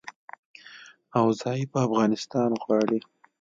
او ضعیفه افغانستان غواړي